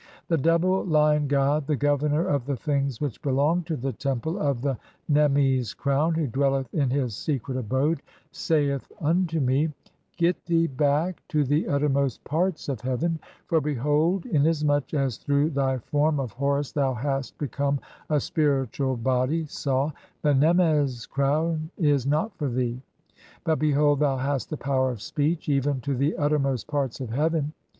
The double Lion "god, the governor of the things which belong to the Temple "of the nemmes crown, (21) who dwelleth in his secret abode, "saith [unto me] :— 'Get thee back to the uttermost parts of "heaven, for behold, inasmuch as through thy form of Horus "thou hast become a spiritual body, (sail) the nemmes crown is "not for thee ; but (22) behold, thou hast the power of speech "even to the uttermost parts of heaven.'